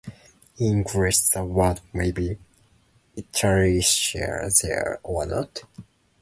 In English the word may be italicized, or not.